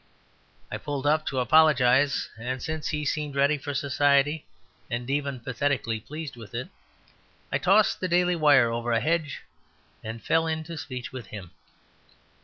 I pulled up to apologize, and since he seemed ready for society, and even pathetically pleased with it, I tossed the Daily Wire over a hedge and fell into speech with him.